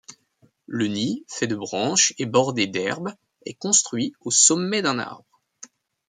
Le nid, fait de branches et bordé d'herbes, est construit au sommet d'un arbre.